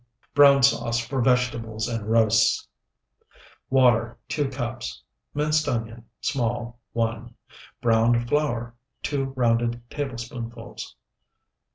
BROWN SAUCE FOR VEGETABLES AND ROASTS Water, 2 cups. Minced onion, small, 1. Browned flour, 2 rounded tablespoonfuls.